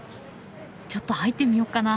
ちょっと入ってみよっかな。